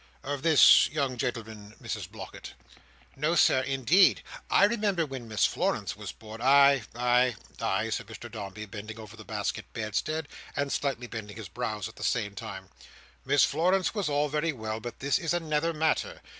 "Of this young gentleman, Mrs Blockitt." "No, Sir, indeed. I remember when Miss Florence was born—" "Ay, ay, ay," said Mr Dombey, bending over the basket bedstead, and slightly bending his brows at the same time. "Miss Florence was all very well, but this is another matter.